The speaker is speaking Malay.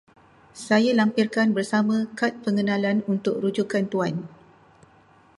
Saya lampirkan bersama kad pengenalan untuk rujukan Tuan.